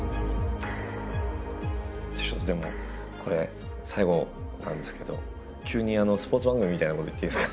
ちょっとでもこれ最後なんですけど急にスポーツ番組みたいなこと言っていいですか？